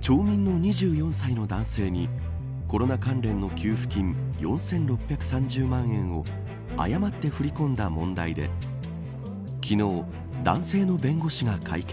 町民の２４歳の男性にコロナ関連の給付金４６３０万円を誤って振り込んだ問題で昨日、男性の弁護士が会見。